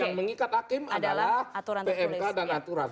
yang mengikat hakim adalah aturan pmk dan aturan